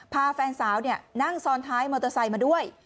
พาแฟนสาวนั่งซ้อนท้ายมอเตอร์ไซค์มาด้วย